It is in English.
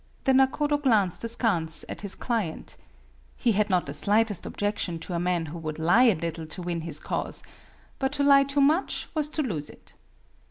The nakodo glanced askance at his client. He had not the slightest objection to a man who would lie a little to win his cause, but to lie too much was to lose it.